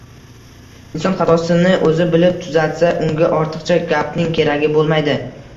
Inson xatosini o‘zi bilib tuzatsa, unga ortiqcha gapning keragi bo‘lmaydi.